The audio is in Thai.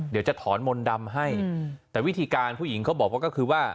เดี๋ยวจะถอนมนต์ดำให้แต่วิธีการผู้หญิงเขาบอกว่าก็คือว่า